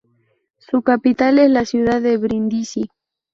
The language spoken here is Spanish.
Su capital es la ciudad de Brindisi.